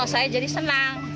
oh saya jadi senang